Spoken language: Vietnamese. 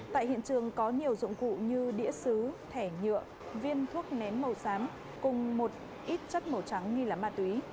tại hiện trường có nhiều dụng cụ như đĩa xứ thẻ nhựa viên thuốc nén màu xám cùng một ít chất màu trắng nghi là ma túy